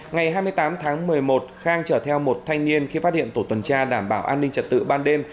ngày hai mươi tám tháng một mươi một khang chở theo một thanh niên khi phát hiện tổ tuần tra đảm bảo an ninh trật tự ban đêm